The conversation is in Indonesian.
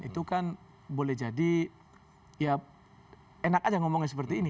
itu kan boleh jadi ya enak aja ngomongnya seperti ini